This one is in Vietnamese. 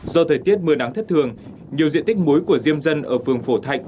do thời tiết mưa nắng thất thường nhiều diện tích muối của diêm dân ở phường phổ thạnh